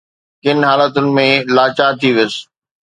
ڪن حالتن ۾ مان لاچار ٿي ويس